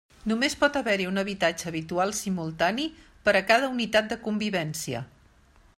Només pot haver-hi un habitatge habitual simultani per a cada unitat de convivència.